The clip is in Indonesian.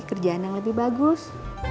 kerjaan yang lebih bagus